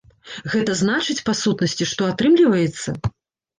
Гэта значыць, па сутнасці, што атрымліваецца?